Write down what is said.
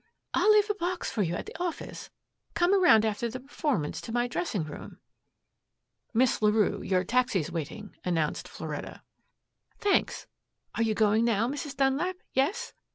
"I'll leave a box for you at the office. Come around after the performance to my dressing room." "Miss Larue, your taxi's waiting," announced Floretta. "Thanks. Are you going now, Mrs. Dunlap? Yes?